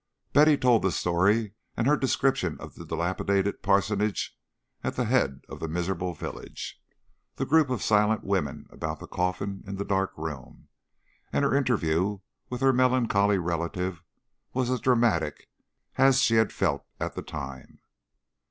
Betty told the story; and her description of the dilapidated parsonage at the head of the miserable village, the group of silent women about the coffin in the dark room, and her interview with her melancholy relative was as dramatic as she had felt at the time.